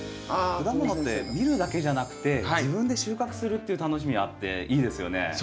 果物って見るだけじゃなくて自分で収穫するっていう楽しみあっていいですよね。